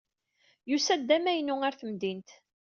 Yusa-d d amaynu ɣer temdint.